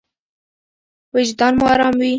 وجدان مو ارام وي.